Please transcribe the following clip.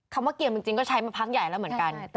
คำว่าเกียร์จริงก็ใช้มาพักใหญ่แล้วเหมือนกัน